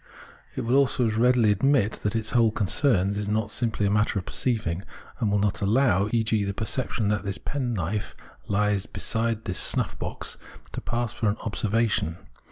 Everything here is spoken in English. It will also as readily admit that its whole concern is not simply a matter of perceiving, and will not allow, e.g. the perception that this penknife lies beside this snuff box to pass for an " observation."